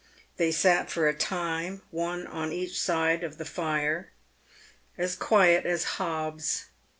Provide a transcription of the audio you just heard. ,They sat for a time one on each side the fire, as quiet as hobs.